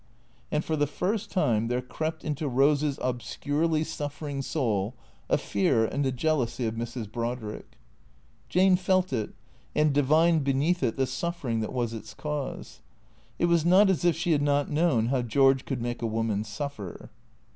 And for the first time there crept into Eose's obscurely suffer ing soul, a fear and a jealousy of Mrs. Brodrick. Jane felt it, and divined beneath it the suffering that was its cause. It was not as if she had not known how George could make a woman suffer.